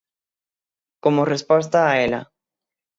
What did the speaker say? Como resposta a ela.